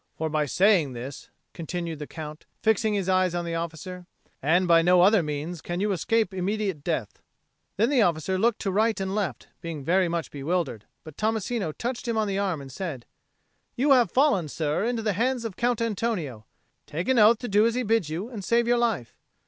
"For by saying this," continued the Count, fixing his eyes on the officer, "and by no other means can you escape immediate death." Then the officer looked to right and left, being very much bewildered; but Tommasino touched him on the arm and said, "You have fallen, sir, into the hands of the Count Antonio. Take an oath to do as he bids you, and save your life."